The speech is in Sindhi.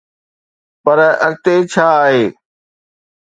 پر اڳتي ڇا آهي؟